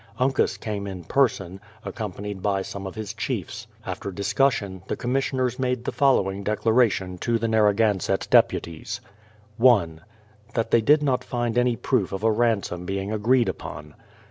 Uncas came in person, accompanied by some of his chiefs. After discussion, the commissioners made the following declaration to the Narragansett deputies : 1. That they did not find any proof of a ransom being agreed upon.